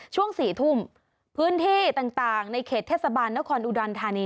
ช่วง๔ทุ่มพื้นที่ต่างในเขตเทศบาลนครอุดรธานี